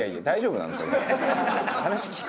大丈夫なんですね。